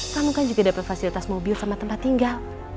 kamu kan juga dapat fasilitas mobil sama tempat tinggal